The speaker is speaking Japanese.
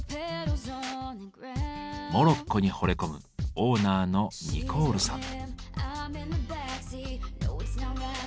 モロッコにほれ込むオーナーのニコールさん。